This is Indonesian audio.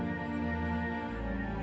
untuk dia dapat water boy